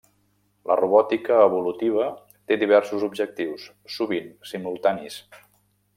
La robòtica evolutiva té diversos objectius, sovint simultanis.